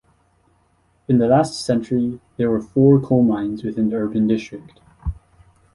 In the last century there were four coal-mines within the urban district.